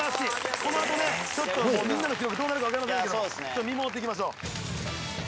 このあとねみんなの記録どうなるか分かりませんけど見守っていきましょう